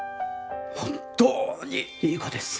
本当にいい子です。